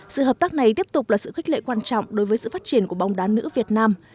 sự hợp tác này tiếp tục là sự khích lệ quan trọng đối với sự phát triển của bóng đá nữ việt nam